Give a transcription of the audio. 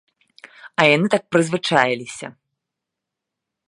А яны так прызвычаіліся.